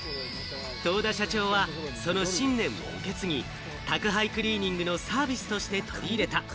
東田社長はその信念を受け継ぎ、宅配クリーニングのサービスとして取り入れた。